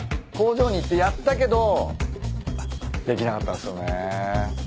工場に行ってやったけどできなかったんすよね。